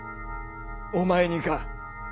お前にか。